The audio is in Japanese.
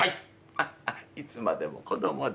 ハッハいつまでも子供で。